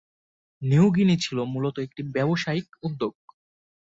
New Guinea ছিল মূলত একটি ব্যবসায়িক উদ্যোগ।